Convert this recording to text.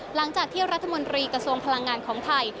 หลังจากที่รัฐมนตรีกระทรวงพลังงานของไทย